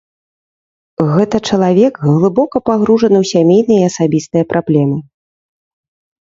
Гэта чалавек глыбока пагружаны ў сямейныя і асабістыя праблемы.